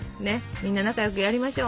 みんな仲良くやりましょう。